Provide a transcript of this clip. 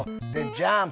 ジャンプ！